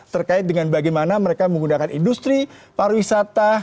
terkait dengan bagaimana mereka menggunakan industri pariwisata